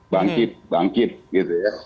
bangkit bangkit gitu ya